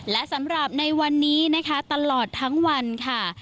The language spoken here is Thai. และสำหรับในวันนี้นะคะตลอดทั้งวันค่ะ